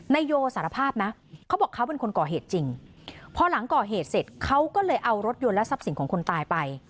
นายโยสารภาพนะเขาบอกเขาเป็นคนก่อเหตุจริงพอหลังก่อเหตุเสร็จเขาก็เลยเอารถยนต์และทรัพย์สินของคนตายไป